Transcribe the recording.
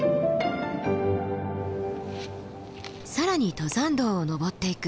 更に登山道を登っていく。